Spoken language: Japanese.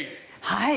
はい。